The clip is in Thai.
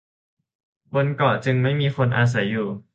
บนเกาะจึงไม่มีคนอาศัยอยู่